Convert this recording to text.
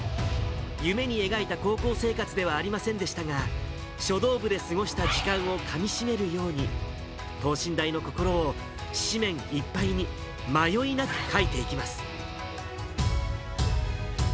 夢に描いた高校生活ではありませんでしたが、書道部で過ごした時間をかみしめるように、等身大の心を紙面いっぱいに迷いなく書いていきます。